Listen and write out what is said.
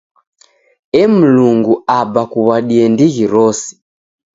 Ee, Mlungu Aba kuw'adie ndighi rose!